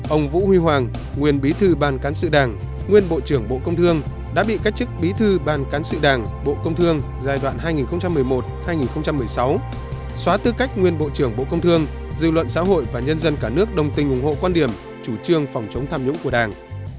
ông vũ huy hoàng nguyên bí thư ban cán sự đảng nguyên bộ trưởng bộ công thương đã bị cách chức bí thư ban cán sự đảng bộ công thương giai đoạn hai nghìn một mươi một hai nghìn một mươi sáu xóa tư cách nguyên bộ trưởng bộ công thương dư luận xã hội và nhân dân cả nước đồng tình ủng hộ quan điểm chủ trương phòng chống tham nhũng của đảng